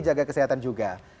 jaga kesehatan juga